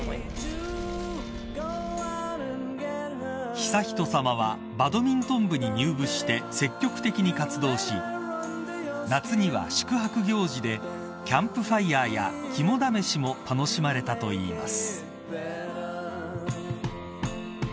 ［悠仁さまはバドミントン部に入部して積極的に活動し夏には宿泊行事でキャンプファイアや肝試しも楽しまれたといいます］